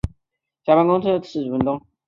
下班公车要等四十分钟